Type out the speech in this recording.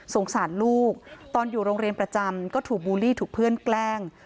สารลูกตอนอยู่โรงเรียนประจำก็ถูกบูลลี่ถูกเพื่อนแกล้ง